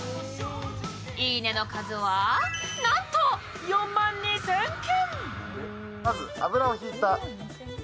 「いいね」の数はなんと４万２０００件。